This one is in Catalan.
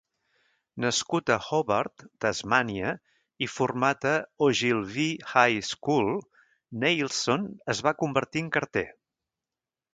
Nascut a Hobart, Tasmània i format a Ogilvie High School, Neilson es va convertir en carter.